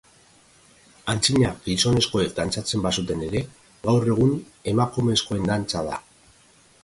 Antzina gizonezkoek dantzatzen bazuten ere, gaur egun emakumezkoen dantza da.